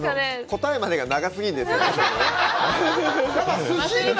答えまでが長すぎるんですよね。